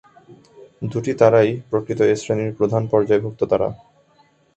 দু’টি তারাই প্রকৃত এ-শ্রেণির প্রধান-পর্যায়ভুক্ত তারা।